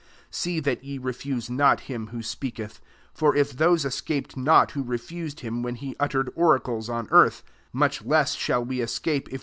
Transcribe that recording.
25 See that ye refuse not »im who speaketh. For if those ^aped not who refused him rhen he uttered oracles on iartby much less shall ^e escafiej f